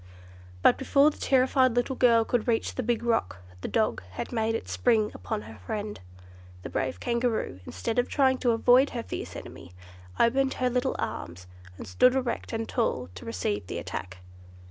But before the terrified little girl could reach the big rock, the dog had made its spring upon her friend. The brave Kangaroo, instead of trying to avoid her fierce enemy, opened her little arms, and stood erect and tall to receive the attack.